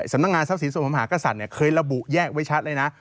สำนักงานทรัพย์ศิษย์สวมภาคกษัตริย์เนี่ยเคยระบุแยกไว้ชัดเลยนะ